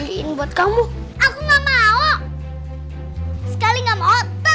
kamu kayak rafa sih penakut